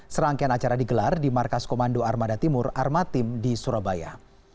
serangkaian acara digelar di markas komando armada timur armatim di surabaya